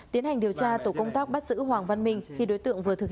tiến hành điều tra tổ công tác bắt giữ hoàng văn minh khi đối tượng vừa đặt tài sản